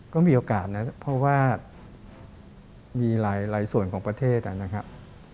ก็มีโอกาสนะเพราะว่ามีหลายส่วนของประเทศนะครับ